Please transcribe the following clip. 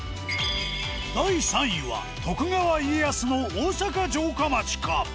第３位は徳川家康の大阪城下町か？